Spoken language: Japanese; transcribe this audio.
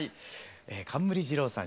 冠二郎さん